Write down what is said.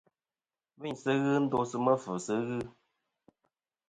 Lvɨyn sɨ ghɨ ndosɨ mɨ̂fvɨsɨ ghɨ.